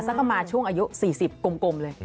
สักประมาณช่วงอายุ๔๐กลมเลย